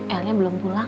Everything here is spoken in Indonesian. elnya belum pulang